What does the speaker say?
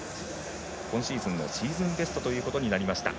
今シーズン、のシーズンベストということになりました。